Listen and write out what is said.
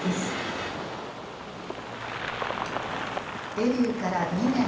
デビューから２年。